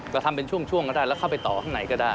ก็ทำเป็นช่วงก็ได้แล้วเข้าไปต่อข้างในก็ได้